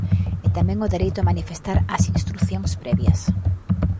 E tamén o dereito a manifestar as instrucións previas.